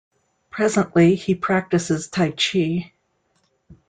Presently, he practices Taichi.